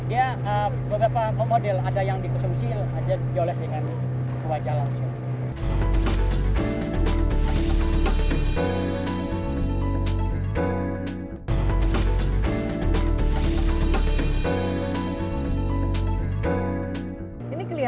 ya beberapa komodel ada yang dikonsumsi ada dioles dengan wajah langsung